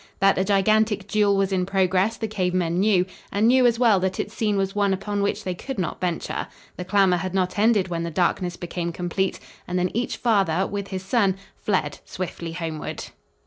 That a gigantic duel was in progress the cave men knew, and knew, as well, that its scene was one upon which they could not venture. The clamor had not ended when the darkness became complete and then each father, with his son, fled swiftly homeward.